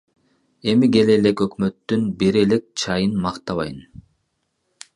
Эми келе элек өкмөттүн бере элек чайын мактабайын.